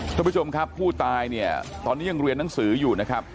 ทุกผู้ชมครับผู้ตายเนี่ยตอนนี้ยังเรียนหนังสืออยู่นะครับ